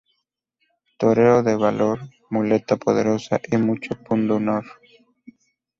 Torero de valor, muleta poderosa y mucho pundonor.